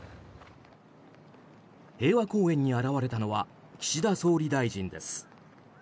平和公園に現れたのは岸田総理大臣です。